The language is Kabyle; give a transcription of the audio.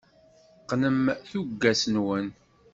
Qqnem tuggas-nwen.